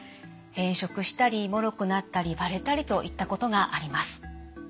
変色したりもろくなったり割れたりといったことがあります。